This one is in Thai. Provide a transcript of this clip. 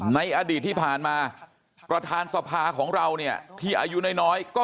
ในอดีตที่ผ่านมาประธานสภาของเราเนี่ยที่อายุน้อยก็